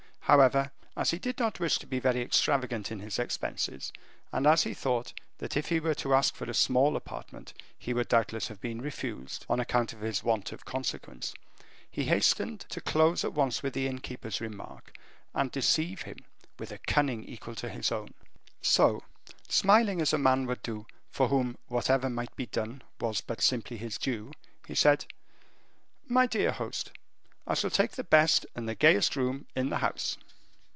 However, as he did not wish to be very extravagant in his expenses, and as he thought that if he were to ask for a small apartment he would doubtless have been refused, on account of his want of consequence, he hastened to close at once with the innkeeper's remark, and deceive him with a cunning equal to his own. So, smiling as a man would do for whom whatever might be done was but simply his due, he said, "My dear host, I shall take the best and the gayest room in the house."